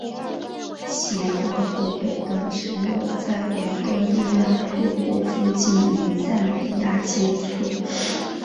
其国土北端只有在维多利亚瀑布附近与赞比亚接触。